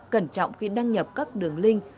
cẩn trọng khi đăng nhập các đường link